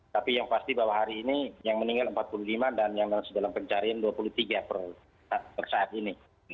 tapi yang pasti bahwa hari ini yang meninggal empat puluh lima dan yang masih dalam pencarian dua puluh tiga per saat ini